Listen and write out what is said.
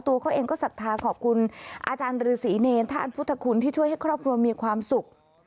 ตัวเขาเองก็ศรัทธาขอบคุณอาจารย์ฤษีเนรธาตุพุทธคุณที่ช่วยให้ครอบครัวมีความสุข